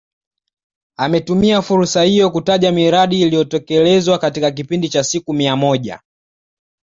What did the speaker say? Ametumia fursa hiyo kutaja miradi iliyotekelezwa katika kipindi cha siku mia moja